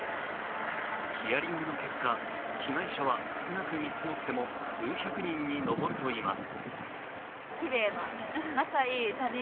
ヒアリングの結果、被害者は少なく見積もっても数百人に上るといいます。